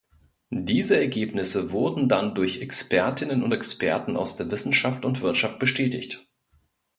Diese Ergebnisse wurden dann durch Expertinnen und Experten aus der Wissenschaft und Wirtschaft bestätigt.